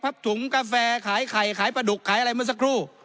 พับถุงกาแฟขายไข่ขายประดุกขายอะไรมาสักครู่